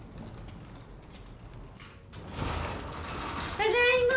ただいま。